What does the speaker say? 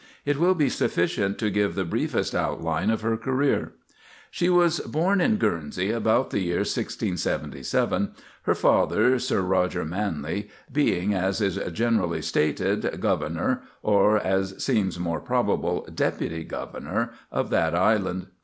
It will be sufficient to give the briefest outline of her career. She was born in Guernsey about the year 1677, her father, Sir Roger Manley, being, as is generally stated, governor, or, as seems more probable, deputy governor, of that island.